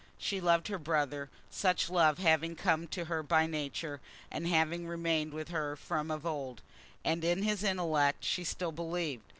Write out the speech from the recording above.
She loved her brother, such love having come to her by nature, and having remained with her from of old; and in his intellect she still believed.